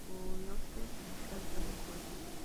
Urioste significa "detrás del pueblo".